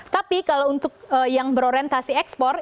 tapi kalau untuk yang berorientasi ekspor